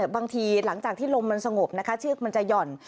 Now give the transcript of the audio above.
บางทีหลังจากที่ลมมันสงบนะคะเชือกมันจะหย่อน